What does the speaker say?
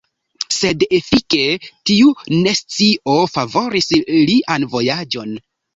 Sed efike tiu nescio favoris lian vojaĝon.